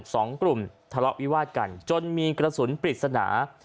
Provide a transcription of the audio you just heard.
สองกลุ่มทะเลาะวิวาดกันจนมีกระสุนปริศนา